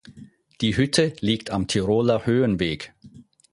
Die Hütte liegt am Tiroler Höhenweg.